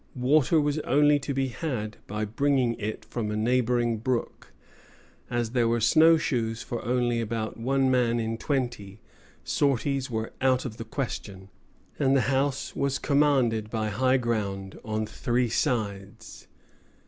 Water was only to be had by bringing it from a neighboring brook. As there were snow shoes for only about one man in twenty, sorties were out of the question; and the house was commanded by high ground on three sides.